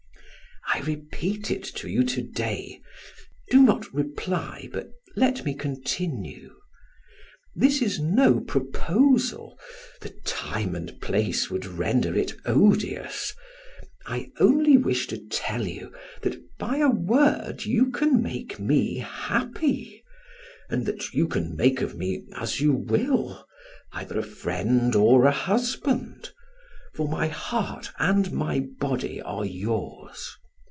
"I repeat it to you to day. Do not reply, but let me continue. This is no proposal the time and place would render it odious. I only wish to tell you that by a word you can make me happy, and that you can make of me as you will, either a friend or a husband for my heart and my body are yours.